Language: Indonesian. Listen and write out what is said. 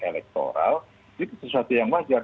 elektoral itu sesuatu yang wajar